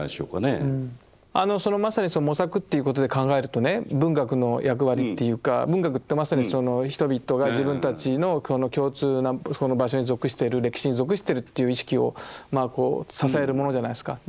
あのそのまさにその模索っていうことで考えるとね文学の役割っていうか文学ってまさにその人々が自分たちの共通なそこの場所に属してる歴史に属してるという意識をまあこう支えるものじゃないですか。